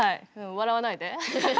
笑わないで。